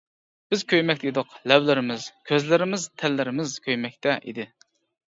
بىز كۆيمەكتە ئىدۇق، لەۋلىرىمىز، كۆزلىرىمىز، تەنلىرىمىز كۆيمەكتە ئىدى.